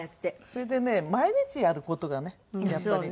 それでね毎日やる事がねやっぱり。